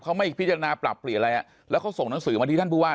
เขาไม่พิจารณาปรับเปลี่ยนอะไรอ่ะแล้วเขาส่งหนังสือมาที่ท่านผู้ว่า